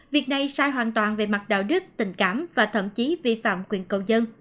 việc này sai hoàn toàn về mặt đạo đức tình cảm và thậm chí vi phạm quyền cầu dân